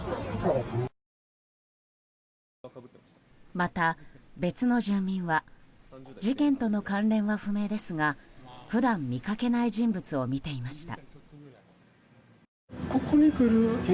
また、別の住民は事件との関連は不明ですが普段見かけない人物を見ていました。